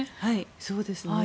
そうですね。